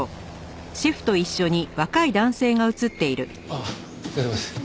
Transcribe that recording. あっお疲れさまです。